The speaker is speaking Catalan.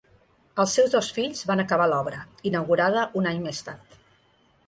Els seus dos fills van acabar l'obra, inaugurada un any més tard.